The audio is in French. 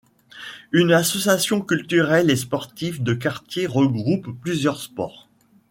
Une association culturelle et sportive de quartier regroupe plusieurs sports.